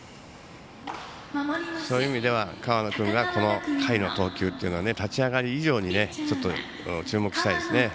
そういう意味では河野君の投球はこの回、立ち上がり以上に注目したいですね。